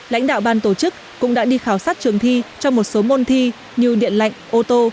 lãnh đạo ban tổ chức cũng đã đi khảo sát trường thi cho một số môn thi như điện lạnh ô tô